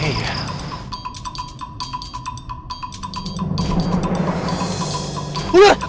kalian denger gak